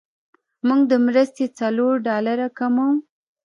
موږ د مرستې څلور ډالره کموو.